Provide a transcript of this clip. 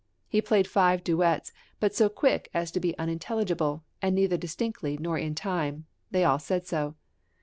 He played five duets, but so quick as to be unintelligible, and neither distinctly nor in time they all said so.